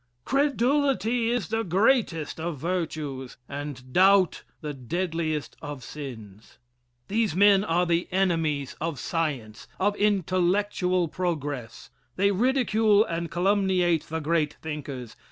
Credulity is the greatest of virtues, and doubt the deadliest of sins. These men are the enemies of science of intellectual progress. They ridicule and calumniate the great thinkers.